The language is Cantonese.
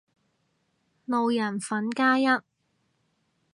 路人粉加一